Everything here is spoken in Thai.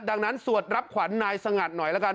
ดังนั้นสวดรับขวัญนายสงัดหน่อยละกัน